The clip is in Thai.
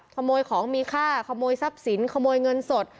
ขโมยของมีค่าขโมยทรัพย์สินขโมยเงินสด